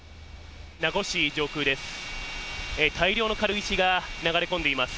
名護市上空です。